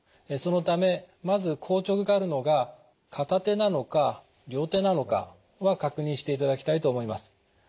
そのためまず硬直があるのが片手なのか両手なのかは確認していただきたいと思います。